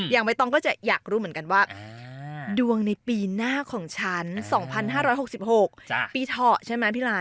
ใบตองก็จะอยากรู้เหมือนกันว่าดวงในปีหน้าของฉัน๒๕๖๖ปีเถาะใช่ไหมพี่ลา